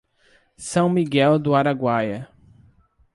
São Miguel do Araguaia